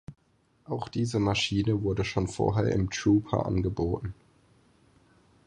Auch diese Maschine wurde schon vorher im Trooper angeboten.